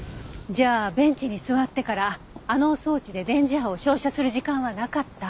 じゃあベンチに座ってからあの装置で電磁波を照射する時間はなかった。